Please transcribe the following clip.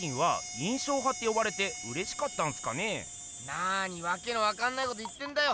なにわけ分かんないこと言ってんだよ。